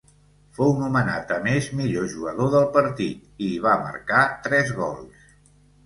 Fou nomenat a més millor jugador del partit, i hi va marcar tres gols.